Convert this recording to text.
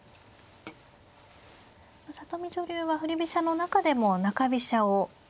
里見女流は振り飛車の中でも中飛車を得意に。